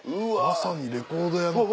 まさにレコード屋。